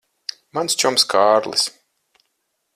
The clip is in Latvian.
Mans čoms Kārlis.